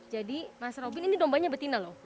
jadi mas robin ini dombanya betina loh